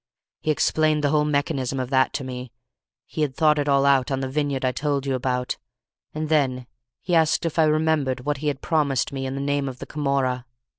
He explained the whole mechanism of that to me; he had thought it all out on the vineyard I told you about; and then he asked if I remembered what he had promised me in the name of the Camorra.